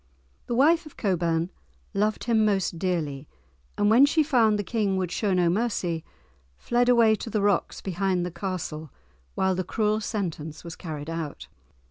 The wife of Cockburne loved him most dearly, and when she found the King would show no mercy, fled away to the rocks behind the castle whilst the cruel sentence was carried out.